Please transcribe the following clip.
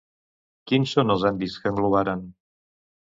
Quins són els àmbits que englobaran?